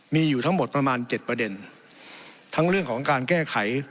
มีอยู่ทั้งหมดประมาณเจ็ดประเด็นทั้งเรื่องของการแก้ไข